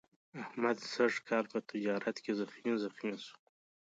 احمد سږ کال په تجارت کې زخمي زخمي شو.